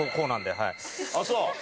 あっそう。